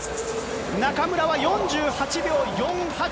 中村は４８秒４８。